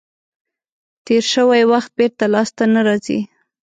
تیر شوی وخت بېرته لاس ته نه راځي.